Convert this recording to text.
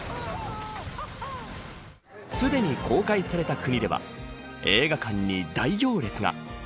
すでに公開された国では映画館に大行列が。